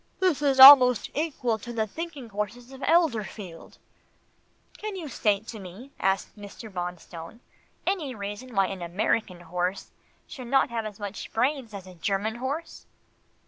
"This is almost equal to the thinking horses of Elberfeld." "Can you state to me," asked Mr. Bonstone, "any reason why an American horse should not have as much brains as a German horse?"